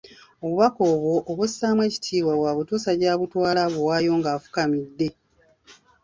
Obubaka obwo abussaamu ekitiibwa bw'abutuusa gy'abutwala abuwaayo nga afukamidde.